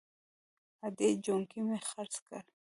_ادې! جونګی مې خرڅ کړ!